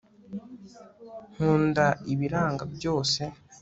nkunda ibiranga byose